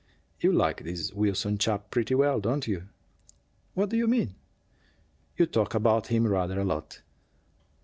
"You like this Wilson chap pretty well, don't you?" "What do you mean?" "You talk about him rather a lot."